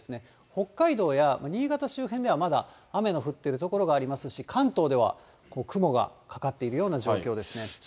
北海道や新潟周辺では、まだ雨の降ってる所がありますし、関東では、雲がかかっているような状況ですね。